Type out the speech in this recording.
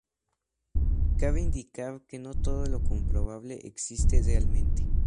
Cabe indicar que no todo lo comprobable existe realmente.